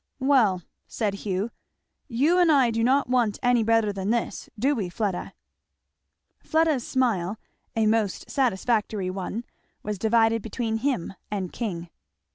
"Well," said Hugh, "you and I do not want any better than this, do we, Fleda?" Fleda's smile, a most satisfactory one, was divided between him and King.